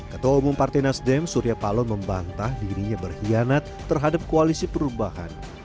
ketua umum partai nasdem surya paloh membantah dirinya berkhianat terhadap koalisi perubahan